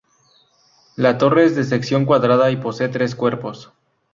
La torre es de sección cuadrada y posee tres cuerpos.